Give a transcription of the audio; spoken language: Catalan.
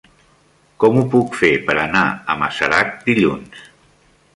Com ho puc fer per anar a Masarac dilluns?